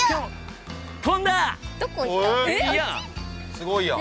すごいやん。